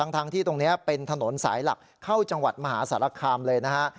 ทั้งที่ตรงนี้เป็นถนนสายหลักเข้าจังหวัดมหาสารคามเลยนะฮะ